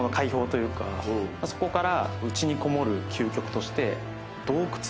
そこから。